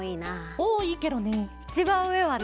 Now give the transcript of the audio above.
おおいいケロね。